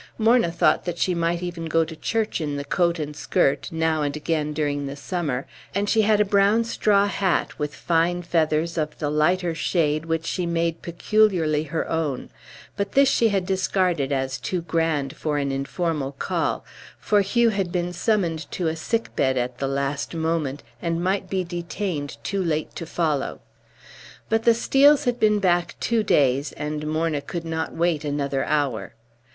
Morna thought that she might even go to church in the coat and skirt, now and again during the summer, and she had a brown straw hat with fine feathers of the lighter shade which she made peculiarly her own; but this she had discarded as too grand for an informal call, for Hugh had been summoned to a sick bed at the last moment, and might be detained too late to follow. But the Steels had been back two days, and Morna could not wait another hour.